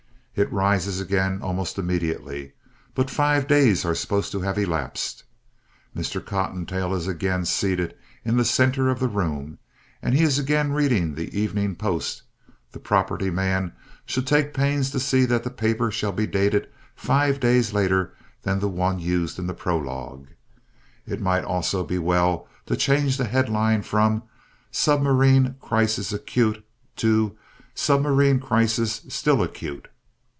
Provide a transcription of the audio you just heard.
It rises again almost immediately, but five days are supposed to have elapsed. Mr. Cottontail is again seated in the center of the room, and he is again reading The Evening Post. The property man should take pains to see that the paper shall be dated five days later than the one used in the prologue. It might also be well to change the headline from "Submarine Crisis Acute" to "Submarine Crisis Still Acute."